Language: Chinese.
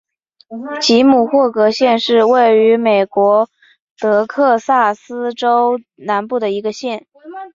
吉姆霍格县是位于美国德克萨斯州南部的一个县。